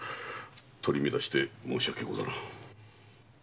取り乱して申し訳ござらん。